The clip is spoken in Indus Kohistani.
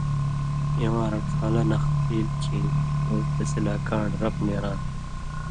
اِواں رڇھان٘لہ نخہۡ ایل کھیں اېں تسی لا کان٘ڑ رپ نېراں تھہ۔